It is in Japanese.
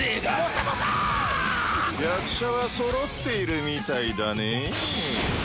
「役者は揃っているみたいだねぇ」